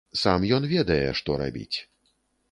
Сам ён ведае, што рабіць.